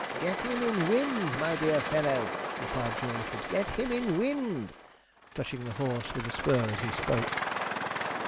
'Get him in wind, my dear fellow,' replied Jawleyford, 'get him in wind,' touching the horse with the spur as he spoke.